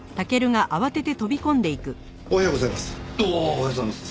おはようございます。